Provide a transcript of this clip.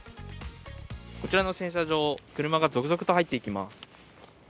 こちらの洗車場、車が続々と入っていきます。